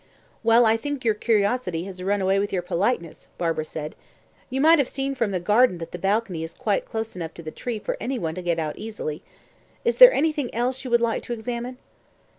"Well, I think your curiosity has run away with your politeness," Barbara said. "You might have seen from the garden that the balcony is quite close enough to the tree for any one to get out easily. Is there anything else you would like to examine?"